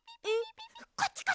えっ？